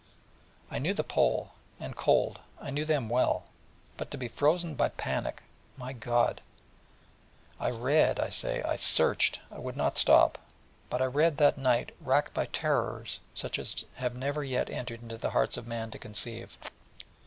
I knew the Pole, and cold, I knew them well: but to be frozen by panic, my God! I read, I say, I searched, I would not stop: but I read that night racked by terrors such as have never yet entered into the heart of man to conceive.